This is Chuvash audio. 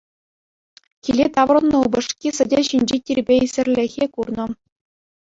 Киле таврӑннӑ упӑшки сӗтел ҫинчи тирпейсӗрлӗхе курнӑ.